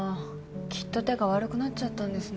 きっと手が悪くなっちゃったんですね。